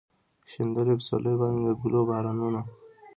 شیندلي پسرلي باندې د ګلو بارانونه